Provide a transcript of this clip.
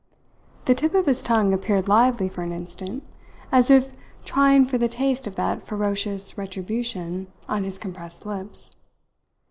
The tip of his tongue appeared lively for an instant, as if trying for the taste of that ferocious retribution on his compressed lips.